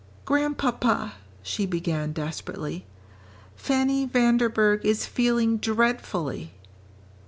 "Grandpapa," she began desperately, "Fanny Vanderburgh is feeling dreadfully."